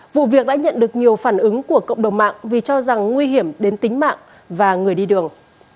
vụ việc đã nhận được nhiều phản ứng của cộng đồng mạng vì cho rằng nguy hiểm đến tính mạng và người đi đường